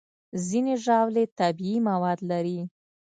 ځینې ژاولې طبیعي مواد لري.